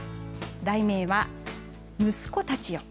題名は「息子たちよ」。